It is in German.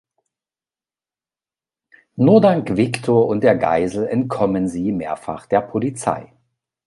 Nur dank Wiktor und der Geisel entkommen sie mehrfach der Polizei.